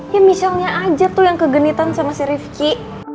ya michelle nya aja tuh yang kegenitan sama si rifki